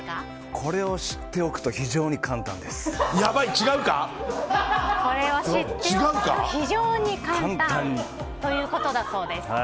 これを知っておくと非常に簡単ということだそうです。